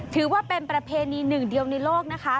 ถือว่าเป็นประเพณีหนึ่งเดียวในโลกนะคะ